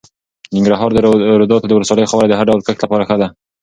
د ننګرهار د روداتو ولسوالۍ خاوره د هر ډول کښت لپاره ښه ده.